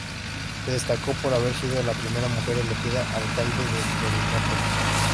Se destacó por haber sido la primera mujer elegida alcalde de Florianópolis.